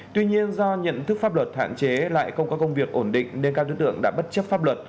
tuy nhiên do nhận thức pháp luật hạn chế lại không có công việc ổn định nên các đối tượng đã bất chấp pháp luật